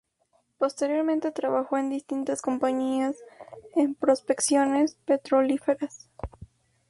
Posteriormente trabajó en distintas compañías en prospecciones petrolíferas.